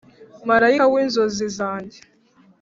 Marayika w ' inzozi zanjye,